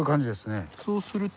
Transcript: そうすると。